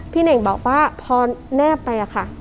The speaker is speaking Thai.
เน่งบอกว่าพอแนบไปอะค่ะ